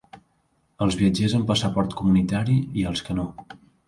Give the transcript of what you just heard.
Els viatgers amb passaport comunitari i els que no.